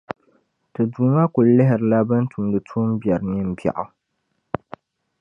ti Duuma kul lihirila bɛn tumdi tuumbiɛri nimbiɛɣu.